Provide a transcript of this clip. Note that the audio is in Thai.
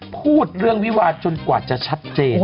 พูดเรื่องวิวาจนกว่าจะชัดเจน